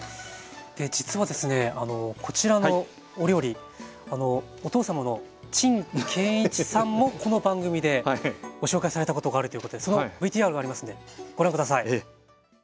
実はですねこちらのお料理お父様の陳建一さんもこの番組でご紹介されたことがあるということでそのＶＴＲがありますのでご覧下さい。